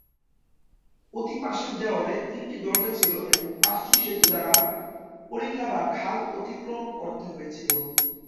প্রতি পাশের দেওয়ালে তিনটি দরজা ছিল এবং পাঁচটি সেতু দ্বারা পরিখা বা খাল অতিক্রম করতে হয়েছিল।